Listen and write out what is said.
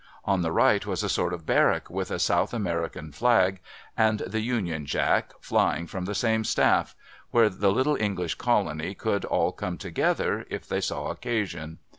On the right was a sort of barrack, with a South American Flag and the Union Jack, flying from the same staff", where the little English colony could all come together, if they saw occasion.